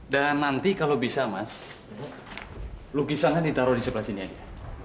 dan nanti kalau bisa mas lukisannya ditaruh di sebelah sini aja